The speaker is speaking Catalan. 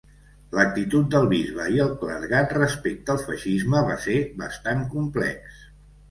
L'actitud del bisbe i el clergat respecte al feixisme va ser bastant complex.